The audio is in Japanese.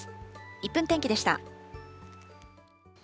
１分天気でした。